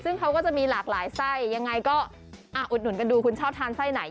ซึ่งเขาจะมีหลากหลายซ่าย